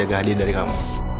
aku jaga hadiah dari kamu